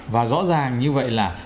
và rõ ràng như vậy là